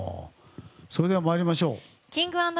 それでは参りましょう。